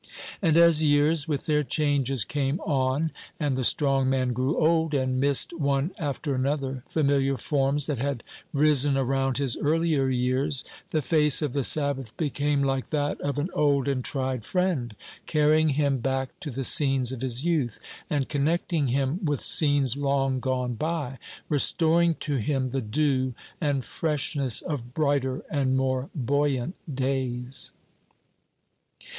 And as years, with their changes, came on, and the strong man grew old, and missed, one after another, familiar forms that had risen around his earlier years, the face of the Sabbath became like that of an old and tried friend, carrying him back to the scenes of his youth, and connecting him with scenes long gone by, restoring to him the dew and freshness of brighter and more buoyant days.